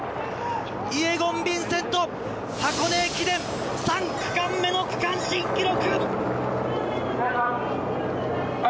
イェゴン・ヴィンセント、箱根駅伝３区間目の区間新記録！